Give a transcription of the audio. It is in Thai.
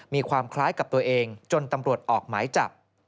มีความคล้ายกับตัวเองจนตำรวจออกหมายจับ